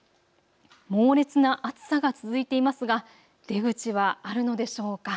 猛烈な暑さが続いていますが出口はあるのでしょうか。